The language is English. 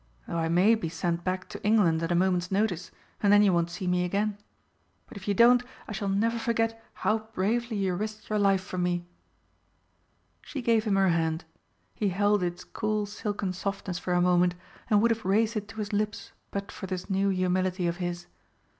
Though I may be sent back to England at a moment's notice, and then you won't see me again. But if you don't, I shall never forget how bravely you risked your life for me." She gave him her hand; he held its cool silken softness for a moment and would have raised it to his lips but for this new humility of his.